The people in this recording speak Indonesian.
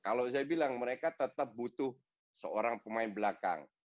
kalau saya bilang mereka tetap butuh seorang pemain belakang